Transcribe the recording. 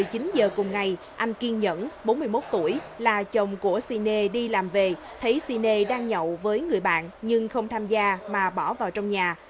đến khoảng chín giờ cùng ngày anh kiên nhẫn bốn mươi một tuổi là chồng của sinea đi làm về thấy sinea đang nhậu với người bạn nhưng không tham gia mà bỏ vào trong nhà